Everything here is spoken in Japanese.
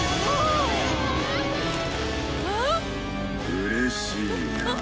うれしいなぁ。